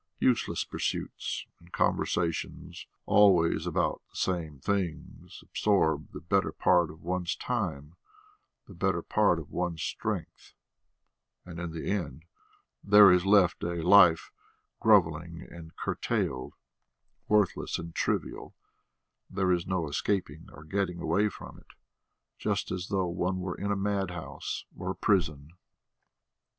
Useless pursuits and conversations always about the same things absorb the better part of one's time, the better part of one's strength, and in the end there is left a life grovelling and curtailed, worthless and trivial, and there is no escaping or getting away from it just as though one were in a madhouse or a prison.